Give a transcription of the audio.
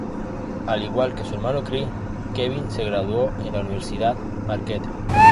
Al igual que su hermano Chris, Kevin se graduó en la Universidad Marquette.